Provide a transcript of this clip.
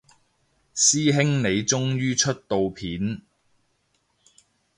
師兄你終於出到片